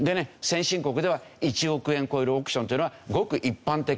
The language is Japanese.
先進国では１億円超える億ションっていうのはごく一般的。